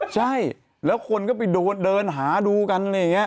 ใช่แล้วคนก็ไปเดินหาดูกันอะไรอย่างนี้